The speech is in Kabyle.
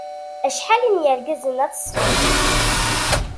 Acḥal n yergazen at ṣṣfa.